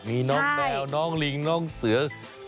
มีน้องแมวน้องลิงน้องเสือ